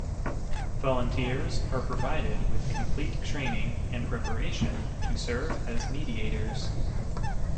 Volunteers are provided with complete training and preparation to serve as mediators.